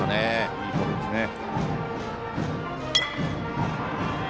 いいボールですね。